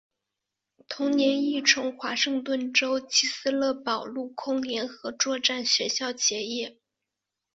同年亦从华盛顿州基斯勒堡陆空联合作战学校结业。